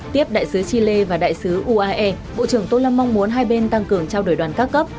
tiếp đại sứ chi lê và đại sứ uae bộ trưởng tô lâm mong muốn hai bên tăng cường trao đổi đoàn cao cấp